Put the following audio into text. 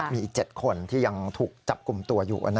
มีอีก๗คนที่ยังถูกจับกลุ่มตัวอยู่